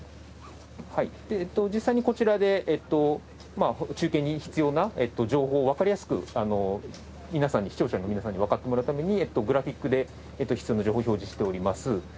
実際にこちらでまあ中継に必要な情報をわかりやすく皆さんに視聴者の皆さんにわかってもらうためにグラフィックで必要な情報を表示しております。